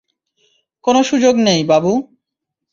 কোনো সুযোগ নেই, বাবু।